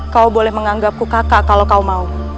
kau boleh menganggapku kakak kalau kau mau